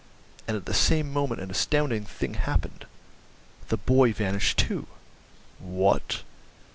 And at the same moment an astounding thing happened—the boy vanished too!" "What!